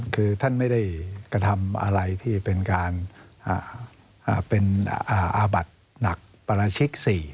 คือท่านไม่ได้กระทำอะไรที่เป็นการเป็นอาบัติหนักปราชิก๔